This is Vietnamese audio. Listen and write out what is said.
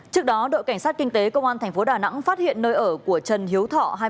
trước đó đội cảnh sát kinh tế công an thành phố đà nẵng phát hiện nơi ở của trần hiếu thọ